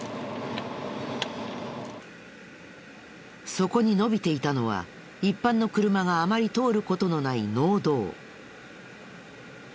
そこに延びていたのは一般の車があまり通る事のない農道。